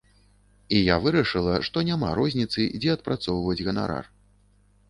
І я вырашыла, што няма розніцы, дзе адпрацоўваць ганарар.